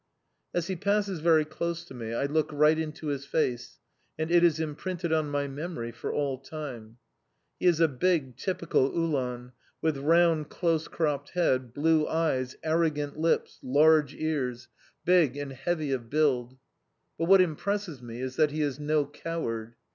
As he passes very close to me, I look right into his face, and it is imprinted on my memory for all time. He is a big, typical Uhlan, with round close cropped head, blue eyes, arrogant lips, large ears, big and heavy of build. But what impresses me is that he is no coward.